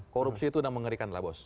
korupsi itu udah mengerikan lah bos